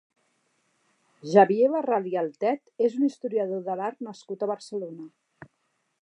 Xavier Barral i Altet és un historiador de l'art nascut a Barcelona.